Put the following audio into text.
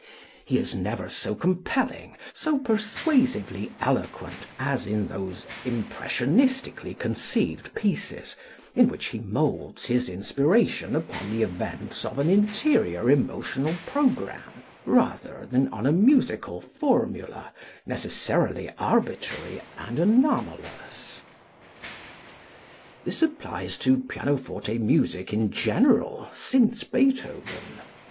He is never so compelling, so persuasively eloquent, as in those impressionistically conceived pieces in which he moulds his inspiration upon the events of an interior emotional program, rather than upon a musical formula necessarily arbitrary and anomalous." This applies to pianoforte music in general since Beethoven.